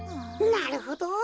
なるほど！